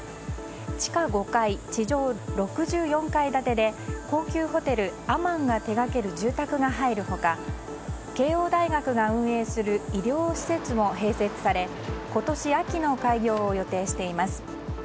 地下５階、地上６４階建てで高級ホテル、アマンが手掛ける住宅が入る他慶應大学が運営する医療施設も併設され今年秋の開業を予定しています。